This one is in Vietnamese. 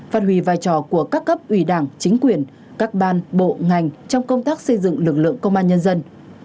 phát huy vai trò của các cấp ủy đảng chính quyền các ban bộ ngành trong công tác xây dựng lực lượng công an nhân dân